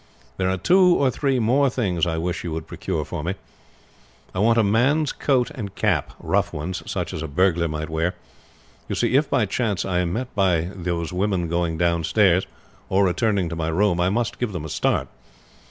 There are two or three more things I wish you would procure for me. I want a man's coat and cap, rough ones, such as a burglar might wear. You see, if by any chance I am met by those women going downstairs, or returning to my room, I must give them a start.